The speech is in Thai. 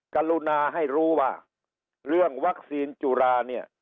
กลุ่นาให้รู้ว่าเรื่องวัคซีนจุฬา